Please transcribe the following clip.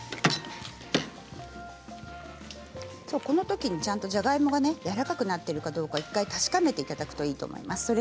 このときにじゃがいもがやわらかくなっているかどうか確かめていただければいいと思います。